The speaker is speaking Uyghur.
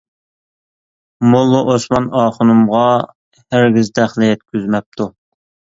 موللا ئوسمان ئاخۇنۇمغا ھەرگىز دەخلى يەتكۈزمەپتۇ.